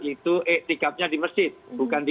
itu iktikafnya di masjid bukan di